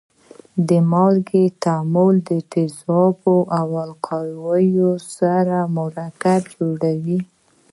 د مالګې تعامل د تیزابو او القلیو سره مرکبونه جوړوي.